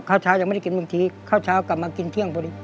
เช้ายังไม่ได้กินบางทีข้าวเช้ากลับมากินเที่ยงพอดี